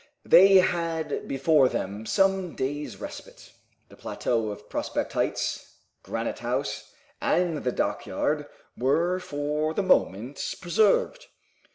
They had before them some days' respite. The plateau of Prospect Heights, Granite House, and the dockyard were for the moment preserved.